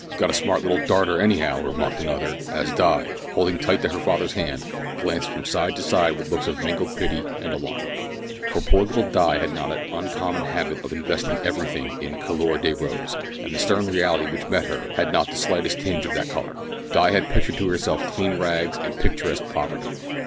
"Got a smart little darter, anyhow," remarked another, as Di, holding tight to her father's hand, glanced from side to side with looks of mingled pity and alarm. For poor little Di had a not uncommon habit of investing everything in couleur de rose, and the stern reality which met her had not the slightest tinge of that colour. Di had pictured to herself clean rags and picturesque poverty.